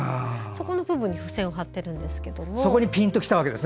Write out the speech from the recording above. そこの部分に付箋を貼っているんですけれども。